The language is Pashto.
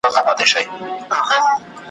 پر ماشوم زړه به مي خوږه لکه کیسه لګېږې ,